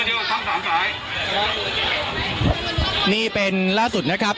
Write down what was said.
เดี๋ยวฟังบริกาศสักครู่นะครับคุณผู้ชมครับ